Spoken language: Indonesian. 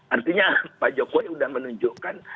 artinya pak jokowi sudah menunjukkan